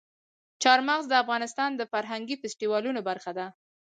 چار مغز د افغانستان د فرهنګي فستیوالونو برخه ده.